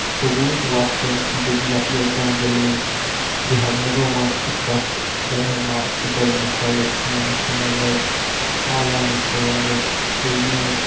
The woman watched them till they disappeared down the lane; he had never once looked back. Then her moadi settled in a quiet sneer and she murmured: ^How Umg is 'forever' ? Three years.'